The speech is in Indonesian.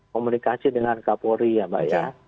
komunikasi dengan kapolri ya mbak ya